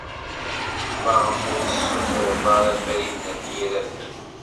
Maɣef ur as-tessutureḍ aya i Farid n At Yiraten?